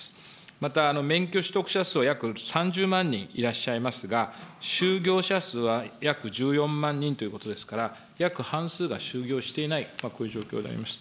また、免許取得者数は約３０万人いらっしゃいますが、就業者数は約１４万人ということですから、約半数が就業していない、こういう状況であります。